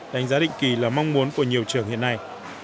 đánh giá định kỳ là mong muốn của nhiều trường hiện nay